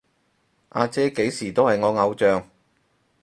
阿姐幾時都係我偶像